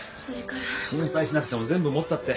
心配しなくても全部持ったって。